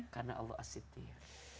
karena allah as sitir